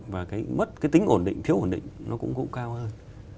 và cái mất cái tính ổn định thiếu ổn định nó cũng cao hơn